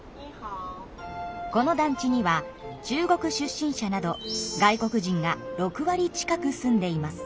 この団地には中国出身者など外国人が６割近く住んでいます。